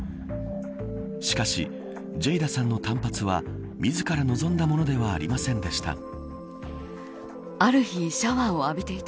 しかし、ジェイダさんの短髪は自ら望んだものではありませんでした。